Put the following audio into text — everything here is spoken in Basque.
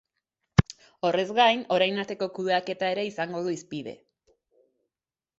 Horrez gain, orain arteko kudeaketa ere izango du hizpide.